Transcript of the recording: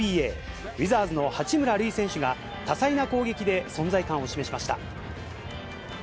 ウィザーズの八村塁選手が多彩な攻撃で存在感を示しました。